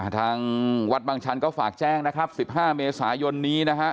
ทางวัดบางชันก็ฝากแจ้งนะครับ๑๕เมษายนนี้นะฮะ